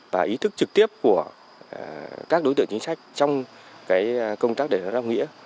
và ý thức trực tiếp của các đối tượng chính sách trong cái công tác để ra rong nghĩa